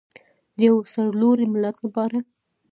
د یو سرلوړي ملت لپاره.